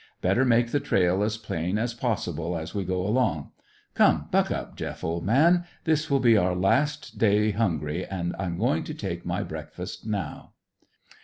Better make the trail as plain as possible as we go along. Come; buck up, Jeff, old man; this will be our last day hungry. I'm going to take my breakfast now."